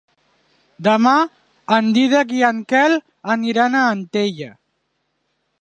Demà en Dídac i en Quel aniran a Antella.